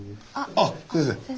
あっ先生。